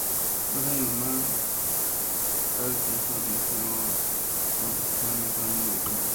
Dos años más tarde se hizo dominico tras conocer personalmente a Domingo de Guzmán.